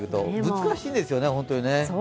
難しいんですよね、本当に。